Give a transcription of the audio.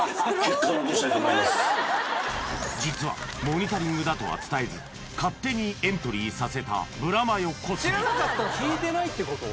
実は「モニタリング」だとは伝えず勝手にエントリーさせたブラマヨ小杉聞いてないってこと？